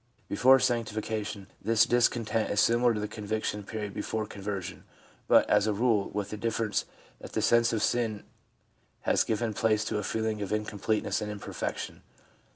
Before sanctification this discon tent is similar to the conviction period before conver sion, but, as a rule, with the difference that the sense of sin has given place to a feeling of incompleteness and imperfection.